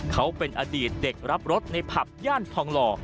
เขาเป็นอดีตเด็กรับรถในผับย่านทองหล่อ